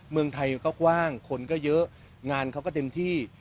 เมืองไทยก็กว้างคนก็เยอะงานเขาก็เต็มที่